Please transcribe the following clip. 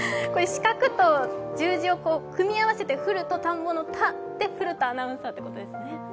四角と十字を組み合わせて「古」と田んぼの「田」で古田アナウンサーということですね。